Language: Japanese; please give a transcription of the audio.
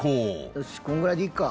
よしこのぐらいでいいか。